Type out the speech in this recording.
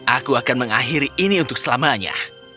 aku akan mengakhiri ini untuk selamanya